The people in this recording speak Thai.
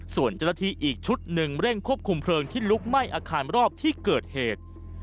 ส่วนเจ้าหน้าที่อีกชุดหนึ่งเร่งควบคุมเพลิงที่ลุกไหม้อาคารรอบที่เกิดเหตุ